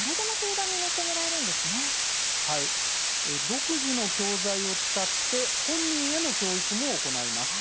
独自の教材を使って本人への教育も行います。